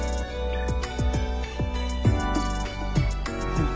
うん。